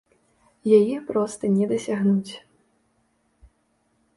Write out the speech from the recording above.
Яе проста не дасягнуць!